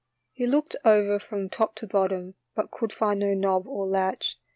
He looked it over from top to bottom, but could find no knob or latch.